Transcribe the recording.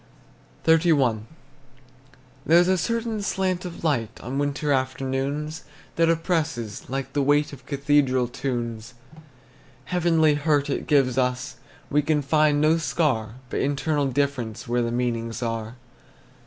XXXI. There's a certain slant of light, On winter afternoons, That oppresses, like the weight Of cathedral tunes. Heavenly hurt it gives us; We can find no scar, But internal difference Where the meanings are.